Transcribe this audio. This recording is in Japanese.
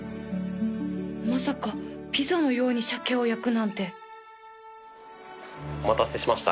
まさかピザのようにシャケを焼くなんてお待たせしました。